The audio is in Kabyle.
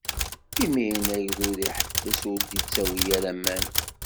Imiren agdud iḥbes, ur d-ittawi ara aman.